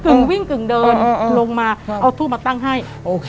วิ่งกึ่งเดินลงมาเอาทูบมาตั้งให้